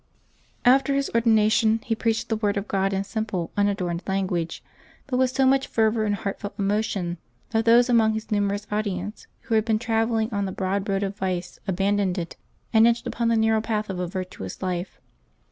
'' After his ordination he preached the word of God in simple, unadorned language, but with so much fervor and heartfelt emotion, that those among his numerous audi ence who had been traveling on the broad road of vice abandoned it, and entered upon the narrow path of a virtuous life.